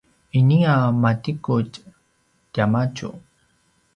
ini a matiqudj tiamadju